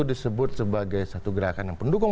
disebut sebagai satu gerakan yang pendukung